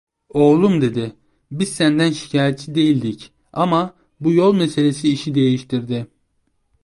Oğlum dedi, "biz senden şikayetçi değildik ama, bu yol meselesi işi değiştirdi".